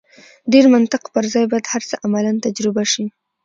ډېر منطق پر ځای باید هر څه عملاً تجربه شي.